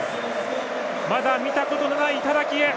まだ、見たことのない頂へ。